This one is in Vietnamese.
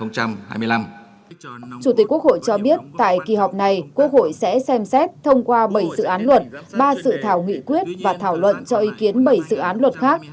chủ tịch quốc hội cho biết tại kỳ họp này quốc hội sẽ xem xét thông qua bảy dự án luật ba sự thảo nghị quyết và thảo luận cho ý kiến bảy dự án luật khác